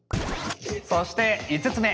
そして５つ目。